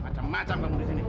macam macam kamu disini